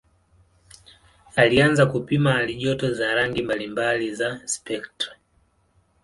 Alianza kupima halijoto za rangi mbalimbali za spektra.